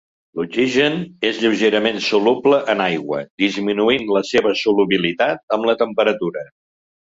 L'oxigen és lleugerament soluble en aigua, disminuint la seva solubilitat amb la temperatura.